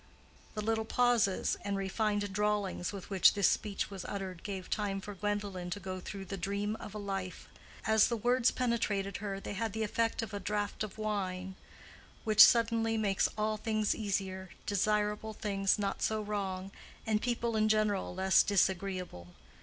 The little pauses and refined drawlings with which this speech was uttered, gave time for Gwendolen to go through the dream of a life. As the words penetrated her, they had the effect of a draught of wine, which suddenly makes all things easier, desirable things not so wrong, and people in general less disagreeable.